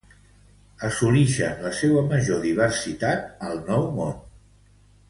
Assolixen la seua major diversitat al Nou Món.